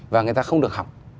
và người ta không được học